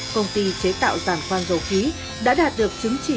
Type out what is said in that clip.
công ty chế tạo giàn khoan dầu khí đã đạt được chứng chỉ